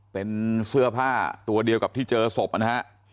เป็นเสื้อผ้าตัวเดียวกับที่เจอศพนะฮะ